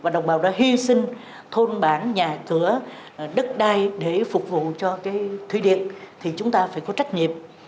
và đồng bào đã hy sinh thôn bản nhà cửa đất đai để phục vụ cho thủy điện thì chúng ta phải có trách nhiệm